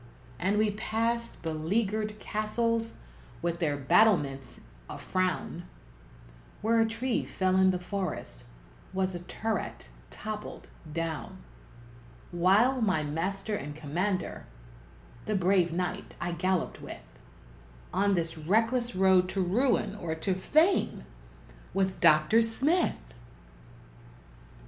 And we passed beleaguered castles, with their battlements a frown; Where a tree fell in the forest was a turret toppled down; While my master and commander the brave knight I galloped with On this reckless road to ruin or to fame, was Dr. Smith!